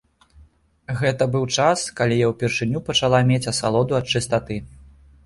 Гэта быў час, калі я ўпершыню пачала мець асалоду ад чыстаты.